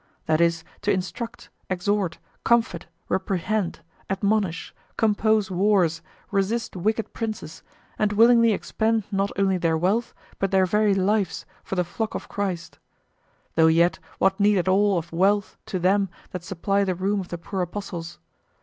that is, to instruct, exhort, comfort, reprehend, admonish, compose wars, resist wicked princes, and willingly expend not only their wealth but their very lives for the flock of Christ: though yet what need at all of wealth to them that supply the room of the poor apostles?